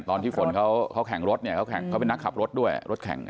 ตอนที่ฝนเขาแข่งรถเนี่ยเขาเป็นนักขับรถด้วยรถแข่ง